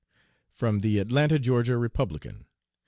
(From the Atlanta (Ga.) Republican.)